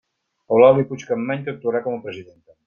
Eulàlia Puig Campmany, que actuarà com a presidenta.